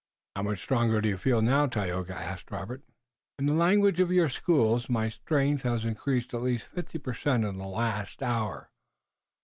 "How much stronger do you feel now, Tayoga?" asked Robert. "In the language of your schools, my strength has increased at least fifty per cent in the last hour."